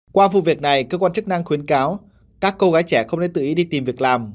qua vụ việc này cơ quan chức năng khuyến cáo các cô gái trẻ không nên tự ý đi tìm việc làm